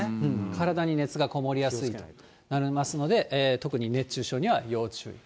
体に熱がこもりやすくなりますので、特に熱中症には要注意。